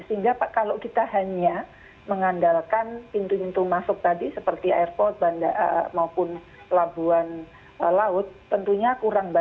sehingga kalau kita hanya mengandalkan pintu pintu masuk tadi seperti airport maupun labuan laut tentunya kurang bagus